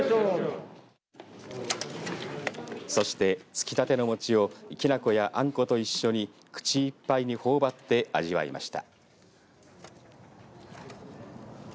そして、つきたての餅をきな粉やあんこと一緒に口いっぱいにほおばって味わいました。